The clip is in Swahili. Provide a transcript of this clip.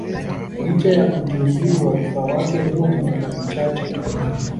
licha ya kujiuzulu wadhifa wake huo miaka michache awali